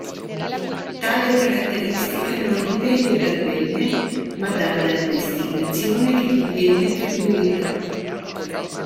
Tale caratteristica non dipende dal bene, ma dalla destinazione che gli viene attribuita.